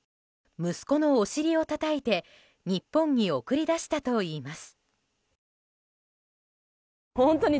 息子のお尻をたたいて日本に送り出したといいます。